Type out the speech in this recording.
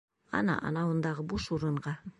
Ана анауындағы буш урынға?